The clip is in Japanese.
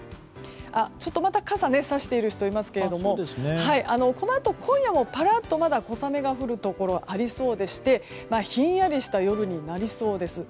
ちょっとまた傘をさしている人もいますがこのあと、今夜もぱらっと小雨が降るところがありそうでしてひんやりとした夜になりそうです。